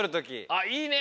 あっいいね。